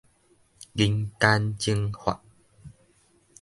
人間蒸發